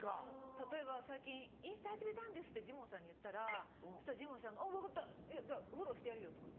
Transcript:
例えば最近「インスタ始めたんです」ってジモンさんに言ったらそしたらジモンさんが「分かったフォローしてやるよ」とか言って。